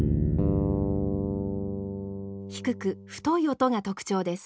低く太い音が特徴です。